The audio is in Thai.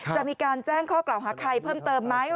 จะมีการแจ้งข้อกล่าวหาใครเพิ่มเติมไหม